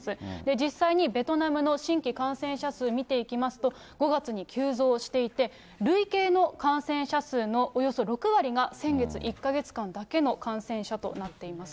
実際にベトナムの新規感染者数を見ていきますと、５月に急増していて、累計の感染者数のおよそ６割が、先月１か月間だけの感染者となっています。